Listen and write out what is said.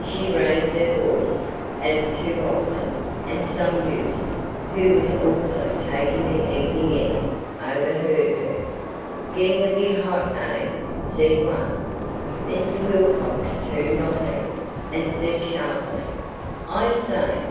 She raised her voice, as too often, and some youths, who were also taking the evening air, overheard her. "Getting a bit hot, eh?" said one. Mr. Wilcox turned on them, and said sharply, "I say!"